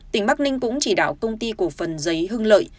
tỉnh bắc ninh cũng chỉ đạo công ty cổ phần giấy hưng lợi